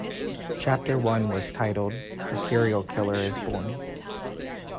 Chapter One was titled A Serial Killer Is Born.